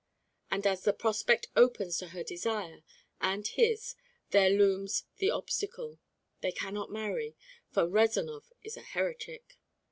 And as the prospect opens to her desire and his there looms the obstacle. They cannot marry, for Rezanov is a heretic.